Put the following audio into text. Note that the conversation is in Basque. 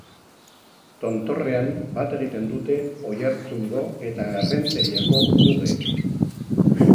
Tontorrean bat egiten dute Oiartzungo eta Errenteriako mugek.